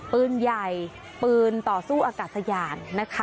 ปืนใหญ่ปืนต่อสู้อากาศยาล